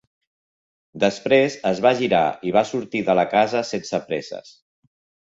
Després es va girar i va sortir de la casa sense presses.